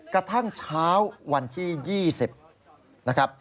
กระทั่งเช้าวันที่๒๐นะครับ